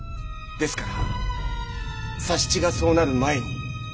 ですから佐七がそうなる前にぜひ。